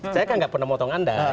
saya kan tidak pernah memotong anda